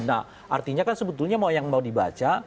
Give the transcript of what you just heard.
nah artinya kan sebetulnya yang mau dibaca